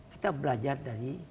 kita belajar dari